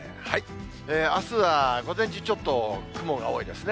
あすは午前中、ちょっと雲が多いですね。